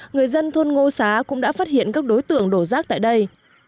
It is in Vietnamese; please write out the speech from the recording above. người dân thôn ngô xá cũng đã phát hiện các đối tượng đổ rác tại đây